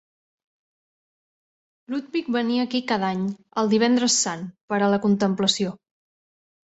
Ludwig venia aquí cada any, el Divendres Sant, per a la contemplació.